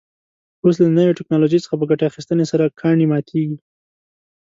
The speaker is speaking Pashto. اوس له نوې تکنالوژۍ څخه په ګټې اخیستنې سره کاڼي ماتېږي.